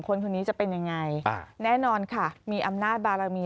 คนคนนี้จะเป็นยังไงแน่นอนค่ะมีอำนาจบารมี